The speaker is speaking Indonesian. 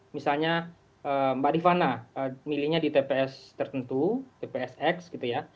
misalnya mbak rifana milihnya di tps tertentu tpsx gitu ya